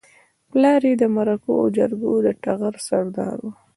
پلار يې د مرکو او جرګو د ټغر سردار و.